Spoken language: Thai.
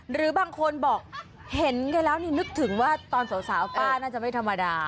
หรือบางคนบอกเห็นแกแล้วนี่นึกถึงว่าตอนสาวป้าน่าจะไม่ธรรมดา